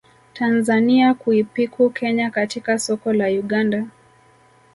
Tanzania kuipiku Kenya katika soko la Uganda